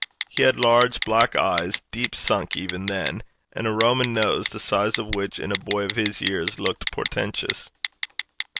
He had large black eyes, deep sunk even then, and a Roman nose, the size of which in a boy of his years looked portentous.